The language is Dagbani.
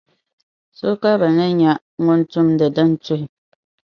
so ka bɛ ni n-nyɛ ŋun tumdi din tuhi.